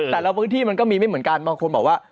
แต่ละพื้นที่มันก็มีไม่เหมือนกันบางคนบอกว่า